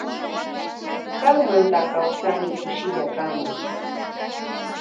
Kanmanta kawsani kushilla kani.